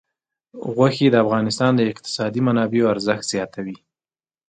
غوښې د افغانستان د اقتصادي منابعو ارزښت زیاتوي.